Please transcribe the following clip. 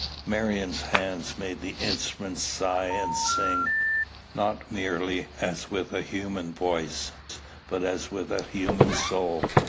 Marion's hands made the instrument sigh and sing, not merely as with a human voice, but as with a human soul.